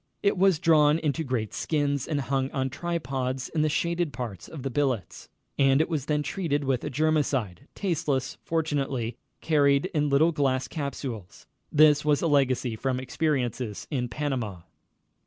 It was drawn into great skins and hung on tripods in the shaded parts of the billets, and it was then treated with a germicide, tasteless fortunately, carried in little glass capsules. This was a legacy from experiences in Panama.